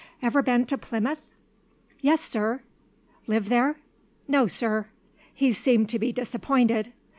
Ever been to Plymouth?" "Yes, sir." "Live there?" "No, sir." He seemed to be disappointed.